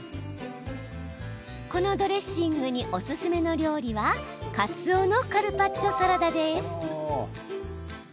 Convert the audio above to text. このドレッシングにおすすめの料理はかつおのカルパッチョサラダです。